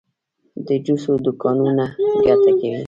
د جوسو دکانونه ګټه کوي؟